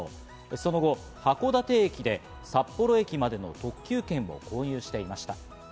その後、函館駅で札幌駅までの特急券を購入していました。